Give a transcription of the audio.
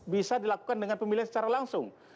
bisa dilakukan dengan pemilihan secara langsung